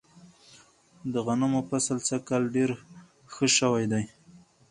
د غنمو فصل سږ کال ډیر ښه شوی دی.